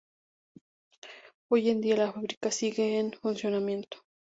Hoy en día la fábrica sigue en funcionamiento.